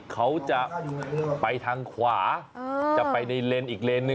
เขาจะไปทางขวาจะไปในเลนส์อีกเลนหนึ่ง